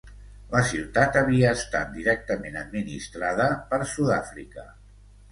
La ciutat havia estat directament administrada per Sud-àfrica.